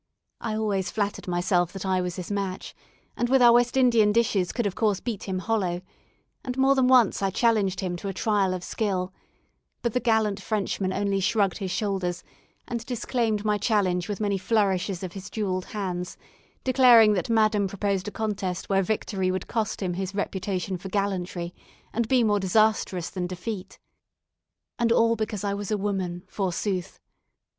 I always flattered myself that I was his match, and with our West Indian dishes could of course beat him hollow, and more than once I challenged him to a trial of skill; but the gallant Frenchman only shrugged his shoulders, and disclaimed my challenge with many flourishes of his jewelled hands, declaring that Madame proposed a contest where victory would cost him his reputation for gallantry, and be more disastrous than defeat. And all because I was a woman, forsooth.